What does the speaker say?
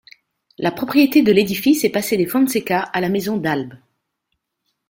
La propriété de l'édifice est passée des Fonseca à la Maison d'Albe.